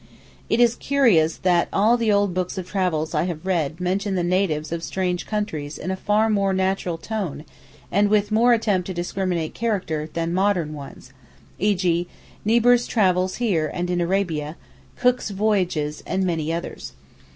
It is curious that all the old books of travels that I have read mention the natives of strange countries in a far more natural tone, and with far more attempt to discriminate character, than modern ones, e.g., Niebuhr's Travels here and in Arabia, Cook's Voyages, and many others.